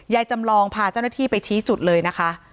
จำลองพาเจ้าหน้าที่ไปชี้จุดเลยนะคะ